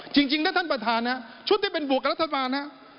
จริงนะครับท่านประธานชุดที่เป็นบวกกับรัฐบาลนะครับ